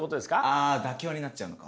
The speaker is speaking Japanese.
あ妥協になっちゃうのか。